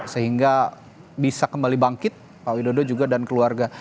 sehingga bisa kembali bangkit pak widodo juga dan keluarga